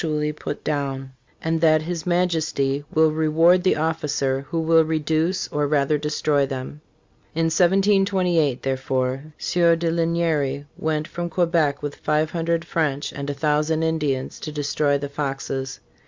ually put down, and that his Majesty will reward the officer who will reduce, or rather destroy, them."* In 1728, therefore, Sieur de Lignery went from Quebec with five hundred French and a thousand Indians to destroy the Foxes.